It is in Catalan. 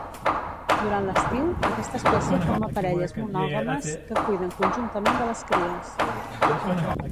Durant l'estiu, aquesta espècie forma parelles monògames que cuiden conjuntament de les cries.